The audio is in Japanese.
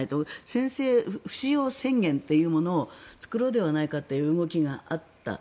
先制不使用宣言というものを作ろうではないかという動きがあった。